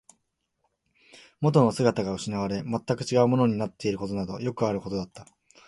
元の姿が失われ、全く違うものになっていることなどよくあることだった